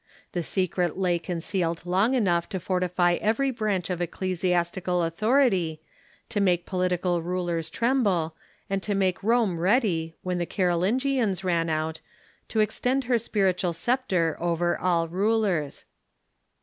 The secret lay concealed long enough to fortify every branch of ecclesiastical author ity, to make political rulers tremble, and to make Rome ready, when tlie Carolingians ran out, to extend her spiritual sceptre over all rulers.